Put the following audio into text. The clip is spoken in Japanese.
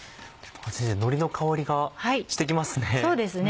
先生のりの香りがして来ますね。